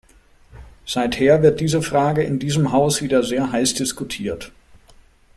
Seither wird diese Frage in diesem Haus wieder sehr heiß diskutiert.